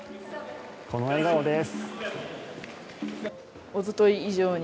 この笑顔です。